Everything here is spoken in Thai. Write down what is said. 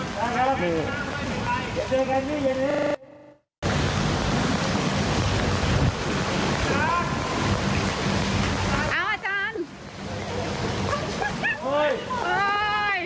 เอาอาจารย์